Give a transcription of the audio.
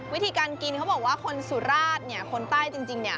วิธีการกินเขาบอกว่าคนสุราชเนี่ยคนใต้จริงเนี่ย